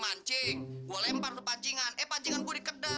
ini sepatu ada jinnya kak ya